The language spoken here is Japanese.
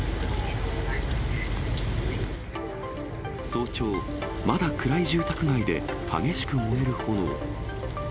早朝、まだ暗い住宅街で激しく燃える炎。